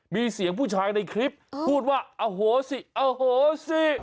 มีเสียงผู้ชายในคลิปพูดว่าอโหสิโอ้โหสิ